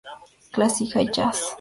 Clásica y Jazz